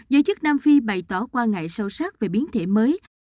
giới chức nam phi bày tỏ quan ngại sâu sắc về biến thể mới